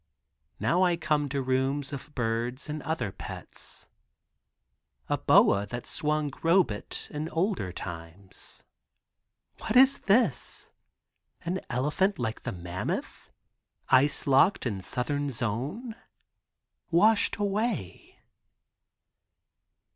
Now I come to rooms of birds and other pets. A boa that swung Robet in olden time. What is this, an elephant like the mammoth, ice locked in southern zone. Washed away?